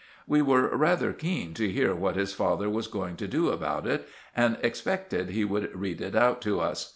We were rather keen to hear what his father was going to do about it, and expected he would read it out to us.